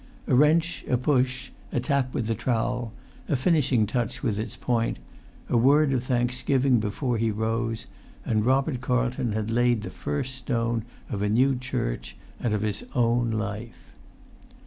A wrench, a push, a tap with the trowel; a finishing touch with its point, a word of thanksgiving before he rose; and Robert Carlton had laid the first stone of a new church, and of his own new life.